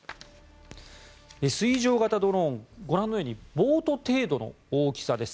水上型ドローン、ご覧のようにボート程度の大きさです。